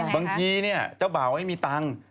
บางทีเจ้าบ่าวไม่มีตังค์